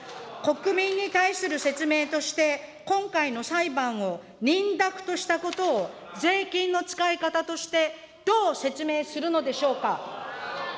国民に対する説明として、今回の裁判を認諾としたことを税金の使い方としてどう説明するのでしょうか。